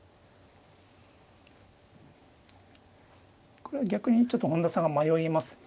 これは逆にちょっと本田さんが迷いますね。